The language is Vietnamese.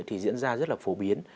thì diễn ra rất là phổ biến